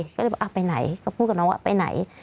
ก็เลยบอกไปไหนก็พูดกับน้องว่าไปไหน